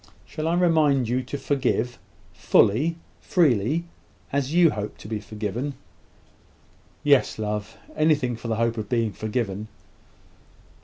Shall I remind you to forgive fully, freely, as you hope to be forgiven?" "Yes, love; anything for the hope of being forgiven."